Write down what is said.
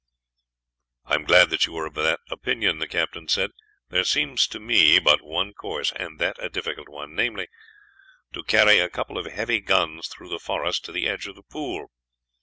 "I am glad that you are of that opinion," the captain said. "There seems to me but one course, and that a difficult one namely, to carry a couple of heavy guns through the forest to the edge of the pool.